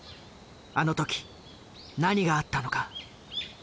あの時何があったのか。